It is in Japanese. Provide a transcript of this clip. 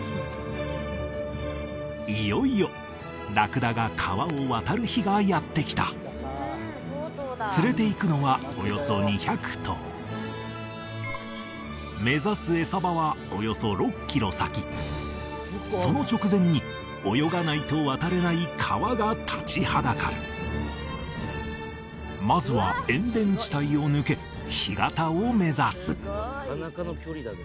いよいよラクダが川を渡る日がやって来た連れていくのはおよそ２００頭目指す餌場はおよそ６キロ先その直前に泳がないと渡れない川が立ちはだかるまずは塩田地帯を抜け干潟を目指すすごいなかなかの距離だね